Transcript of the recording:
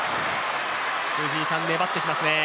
藤井さん、粘ってきますね。